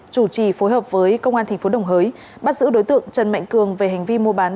chủ trì phối hợp với công an tp đồng hới bắt giữ đối tượng trần mạnh cường về hành vi mua bán